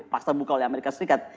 pasti dibuka oleh amerika serikat